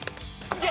いけ！